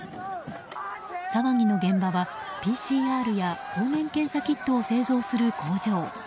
騒ぎの現場はＰＣＲや抗原検査キットを製造する工場。